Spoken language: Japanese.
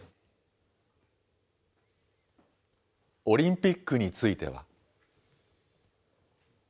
オリンピックについては。